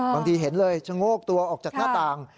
บางทีเห็นเลยชงโกกตัวออกจากหน้าต่าง